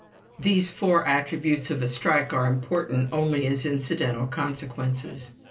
These four attributes of a strike are important only as incidental consequences.